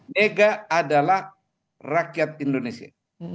mega adalah rakyat indonesia